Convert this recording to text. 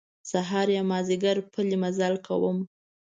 سهار یا مازیګر پلی مزل کوم.